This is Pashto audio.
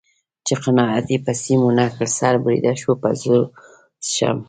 چې قناعت یې په سیم و نه کړ سر بریده شوه په زرو شمع